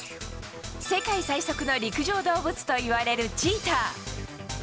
世界最速の陸上動物といわれるチーター。